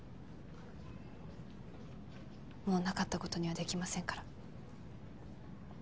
もう無かったことには出来ませんから。